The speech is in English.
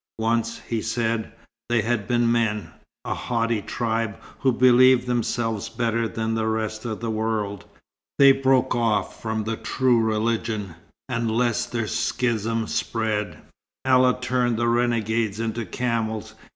Once, he said, they had been men a haughty tribe who believed themselves better than the rest of the world. They broke off from the true religion, and lest their schism spread, Allah turned the renegades into camels.